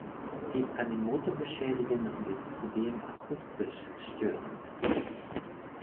Dies kann den Motor beschädigen und ist zudem akustisch störend.